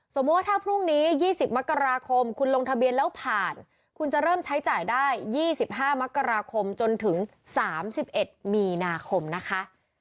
สมมุติว่าถ้าพรุ่งนี้๒๐มกราคมคุณลงทะเบียนแล้วผ่านคุณจะเริ่มใช้จ่ายได้๒๕มกราคมจนถึง๓๑มีนาคมนะคะ